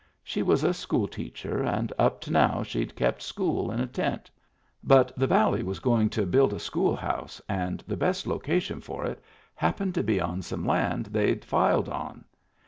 She was a school teacher and up to now she'd kept school in a tent But the valley was going to build a school house and the best location for it happened to be on some land they'd filed on.